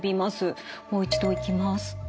もう一度いきます。